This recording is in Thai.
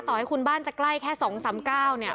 ต่อให้คุณบ้านจะใกล้แค่๒๓๙เนี่ย